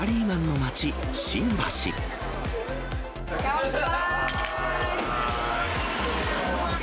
乾杯。